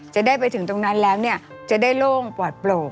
จะได้ไปถึงตรงนั้นแล้วเนี่ยจะได้โล่งปลอดโปร่ง